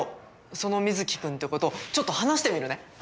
その水城君って子とちょっと話してみるね。